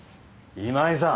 今井さん。